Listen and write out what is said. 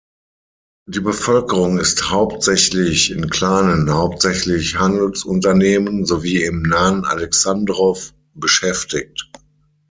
Die Bevölkerung ist hauptsächlich in kleinen, hauptsächlich Handelsunternehmen sowie im nahen Alexandrow beschäftigt.